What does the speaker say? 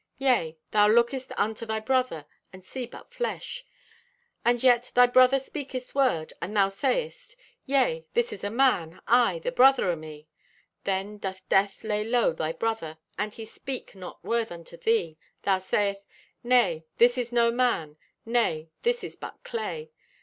Yea, thou lookest unto thy brother, and see but flesh. And yet thy brother speakest word, and thou sayest: 'Yea, this is a man, aye, the brother o' me.' Then doth death lay low thy brother, and he speak not word unto thee, thou sayest: 'Nay, this is no man; nay, this is but clay.